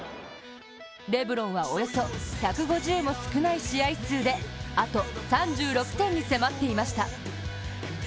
レブロンはおよそ１５０も少ない試合数であと３６点に迫っていました。